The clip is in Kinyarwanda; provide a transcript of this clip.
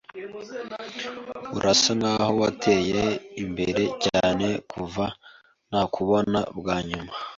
Urasa nkaho wateye imbere cyane kuva nakubona bwa nyuma.